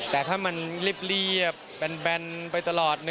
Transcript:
แต่ถ้ามันเรียบแบนไปตลอด